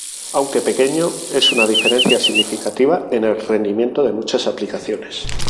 Aunque pequeño, es una diferencia significativa en el rendimiento de muchas aplicaciones.